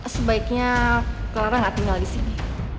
sebaiknya clara nggak tinggal di sini